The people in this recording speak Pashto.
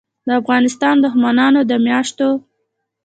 دافغانستان دښمنانودمیاشتو